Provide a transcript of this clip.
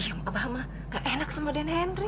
abah enggak enak sama den henry